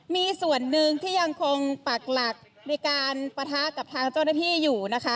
มีส่วนหนึ่งที่ยังคงปักหลักในการปะทะกับทางเจ้าหน้าที่อยู่นะคะ